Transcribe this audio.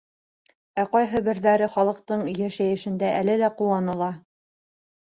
Э ҡайһы берҙәре халыҡтың йәшәйешендә әле лә ҡулланыла.